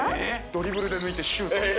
ドリブルで抜いてシュートみたいな。